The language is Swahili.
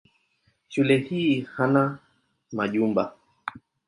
Shule hii hana majumba.